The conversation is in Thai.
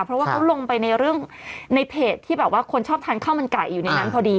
เพราะว่าเขาลงไปในเรื่องในเพจที่แบบว่าคนชอบทานข้าวมันไก่อยู่ในนั้นพอดี